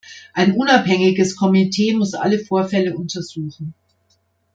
Ein unabhängiges Komitee muss alle Vorfälle untersuchen.